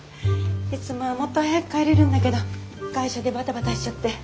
いつもはもっと早く帰れるんだけど会社でバタバタしちゃって。